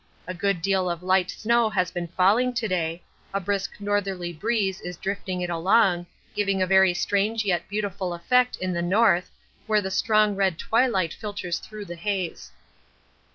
A good deal of light snow has been falling to day; a brisk northerly breeze is drifting it along, giving a very strange yet beautiful effect in the north, where the strong red twilight filters through the haze.